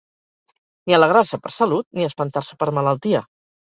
Ni alegrar-se per salut ni espantar-se per malaltia.